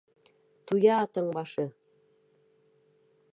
Туя атаң башы!